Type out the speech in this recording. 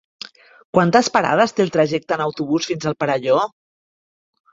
Quantes parades té el trajecte en autobús fins al Perelló?